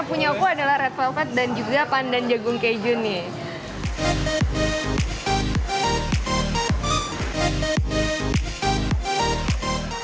aku punya aku adalah red velvet dan juga pandan jagung keju nih